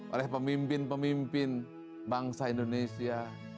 oleh pemimpin pemimpin bangsa indonesia